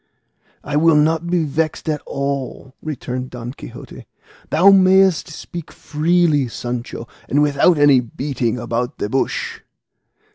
"I will not be vexed at all," returned Don Quixote; "thou mayest speak freely, Sancho, and without any beating about the bush."